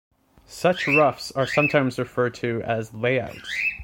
Such roughs are sometimes referred to as layouts.